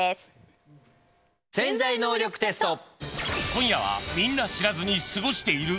今夜はみんな知らずに過ごしている？